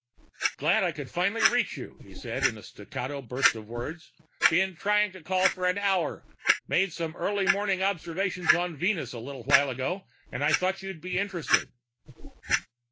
"Glad I could finally reach you," he said, in a staccato burst of words. "Been trying to call for an hour. Made some early morning observations of Venus a little while ago, and I thought you'd be interested."